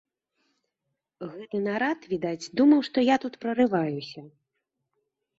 Гэты нарад, відаць, думаў, што я тут прарываюся.